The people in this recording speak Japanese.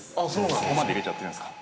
そこまで入れちゃってるんですか。